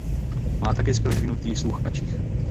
Má také skvěle vyvinutý sluch a čich.